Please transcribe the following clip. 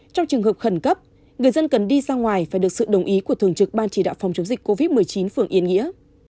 trong trường hợp khẩn cấp người dân cần đi ra ngoài phải được sự đồng ý của thường trực ban chỉ đạo phòng chống dịch covid một mươi chín phường yên nghĩa